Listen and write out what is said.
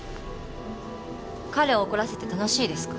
彼を怒らせて楽しいですか？